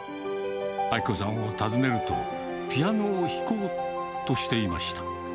明子さんを訪ねると、ピアノを弾こうとしていました。